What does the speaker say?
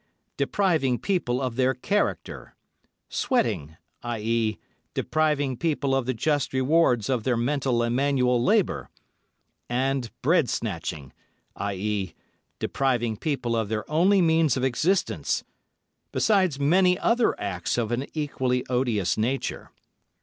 _, depriving people of their character; sweating—i.e., depriving people of the just rewards of their mental and manual labour; and bread snatching,—i.e., depriving people of their only means of existence; beside many other acts of an equally odious nature.